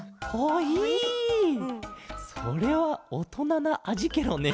それはおとななあじケロね。